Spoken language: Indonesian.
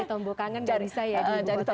cari tombok kangen gak bisa ya di bukit tengah